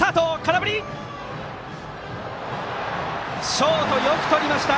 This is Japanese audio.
ショートよくとりました。